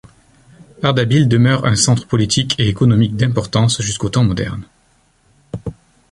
Ardabil demeure un centre politique et économique d'importance jusqu'aux temps modernes.